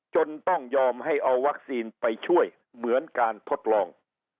จนต้องยอมให้เอาวัคซีนไปช่วยเหมือนการทดลอง